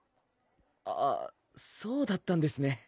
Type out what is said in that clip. あぁそうだったんですね